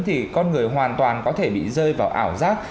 thì con người hoàn toàn có thể bị rơi vào ảo giác